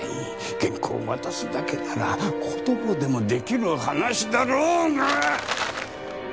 原稿を渡すだけなら子供でもできる話だろうが！